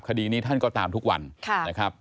คดีนี้ท่านก็ตามทุกวันนะครับ